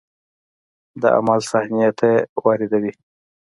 د عمل صحنې ته یې واردوي.